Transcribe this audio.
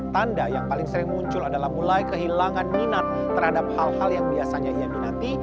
tanda yang paling sering muncul adalah mulai kehilangan minat terhadap hal hal yang biasanya ia minati